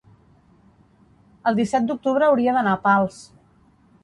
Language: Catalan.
el disset d'octubre hauria d'anar a Pals.